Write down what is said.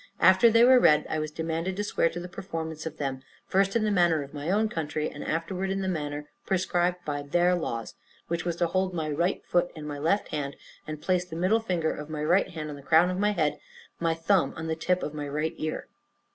After they were read, I was demanded to swear to the performance of them; first in the manner of my own country, and afterwards in the method prescribed by their laws, which was to hold my right foot in my left hand, and to place the middle finger of my right hand on the crown of my head, and my thumb on the tip of my right ear.